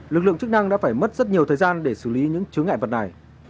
lực lượng chức năng đã phải mất rất nhiều thời gian để xử lý những chứng ngại vật này